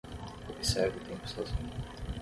Observe o tempo sozinho